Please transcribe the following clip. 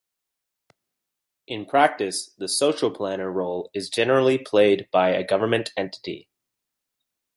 In practice, the social planner role is generally played by a government entity.